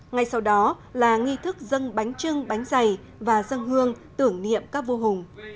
ngay sau đó là nghi thức dân bánh trưng bánh dày và dân hương tưởng niệm các vua hùng